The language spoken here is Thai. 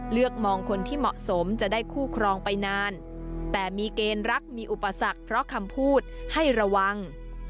เลือกมองคนที่เหมาะสมจะได้คู่ครองไปนานแต่มีเกณฑ์รักมีอุปสรรคเพราะคำพูดให้ระวัง